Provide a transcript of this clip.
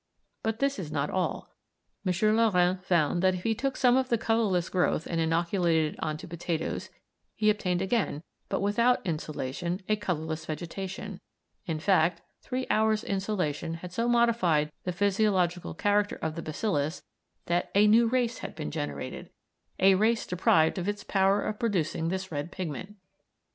But this is not all. M. Laurent found that if he took some of the colourless growth and inoculated it on to potatoes he obtained again, but without insolation, a colourless vegetation in fact, three hours' insolation had so modified the physiological character of the bacillus that a new race had been generated, a race deprived of its power of producing this red pigment.